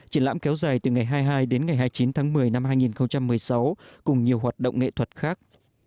triển lãm kéo dài từ ngày hai mươi hai đến ngày hai mươi chín tháng một mươi năm hai nghìn một mươi sáu cùng nhiều hoạt động nghệ thuật khác